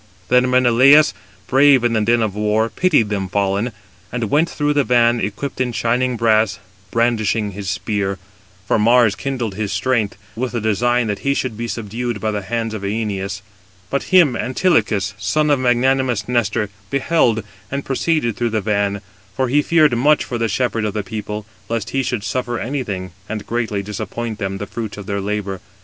Then Menelaus, brave in the din of war, pitied them fallen, and went through the van, equipped in shining brass, brandishing his spear; for Mars kindled his strength, with the design that he should be subdued by the hands of Æneas. But him Antilochus, son of magnanimous Nestor, beheld, and proceeded through the van, for he feared much for the shepherd of the people, lest he should suffer anything, and greatly disappoint them of [the fruits of] their labour.